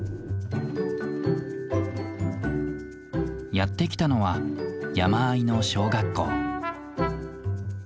やって来たのは山あいの小学校。